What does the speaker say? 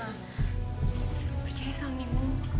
aku percaya sama mimo